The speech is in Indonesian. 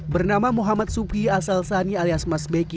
bernama muhammad subhi asalsani alias mas beki